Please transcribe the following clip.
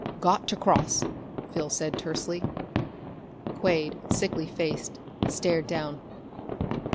"Got to cross!" Phil said tersely. Quade, sickly faced, stared down.